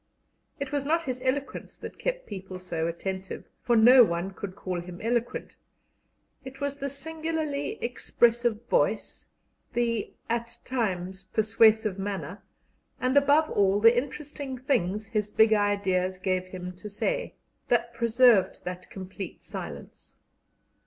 It was not his eloquence that kept people so attentive, for no one could call him eloquent; it was the singularly expressive voice, the (at times) persuasive manner, and, above all, the interesting things his big ideas gave him to say, that preserved that complete silence.